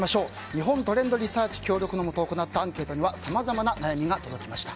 日本トレンドリサーチ協力のもと行ったアンケートにはさまざまな悩みが届きました。